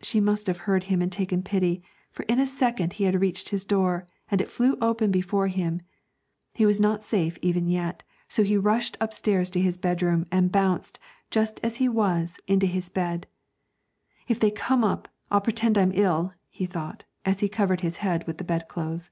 She must have heard him and taken pity, for in a second he had reached his door, and it flew open before him. He was not safe even yet, so he rushed upstairs to his bedroom, and bounced, just as he was, into his bed. 'If they come up I'll pretend I'm ill,' he thought, as he covered his head with the bedclothes.